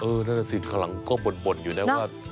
เออนั่นสิข้างหลังก็บ่นอยู่นะว่า